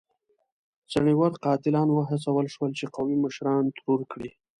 څڼيور قاتلان وهڅول شول چې قومي مشران ترور کړي.